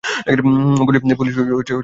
Police check করতে পারে।